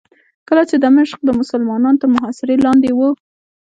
کله چې دمشق د مسلمانانو تر محاصرې لاندې و.